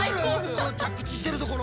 この着地してるところ。